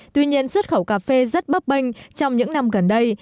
tuy nhiên xuất khẩu cà phê rất bấp bênh trong những năm gần đây